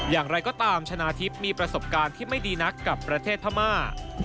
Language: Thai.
อย่างไรก็ตามชนะทิพย์มีประสบการณ์ที่ไม่ดีนักกับประเทศพม่า